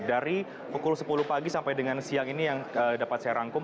dari pukul sepuluh pagi sampai dengan siang ini yang dapat saya rangkum